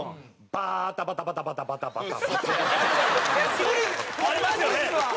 バータバタバタバタバタバタ。